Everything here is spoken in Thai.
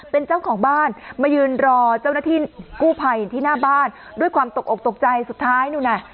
เป็นเจ้าของบ้านมายืนรอเจ้าหน้าที่กู้ภัยที่หน้าบ้านด้วยความตกอกตกใจสุดท้ายนู่นน่ะ